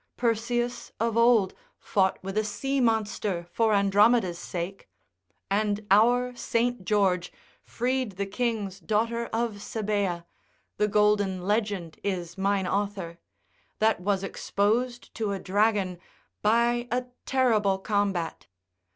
Perseus, of old, fought with a sea monster for Andromeda's sake; and our St. George freed the king's daughter of Sabea (the golden legend is mine author) that was exposed to a dragon, by a terrible combat.